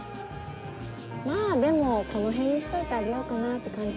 まあでもこの辺にしといてあげようかなって感じ